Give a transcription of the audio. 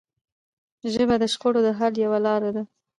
ژبه د شخړو د حل یوه لاره ده